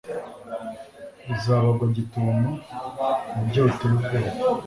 izabagwa gitumo ku buryo buteye ubwoba